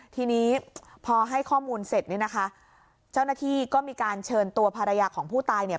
ทีนี้พอให้ข้อมูลเสร็จเนี่ยนะคะเจ้าหน้าที่ก็มีการเชิญตัวภรรยาของผู้ตายเนี่ย